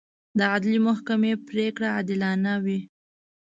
د عدلي محکمې پرېکړې عادلانه وي.